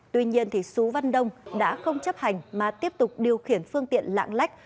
tuy nhiên sú văn đông đã không chấp hành mà tiếp tục điều khiển phương tiện lạng lách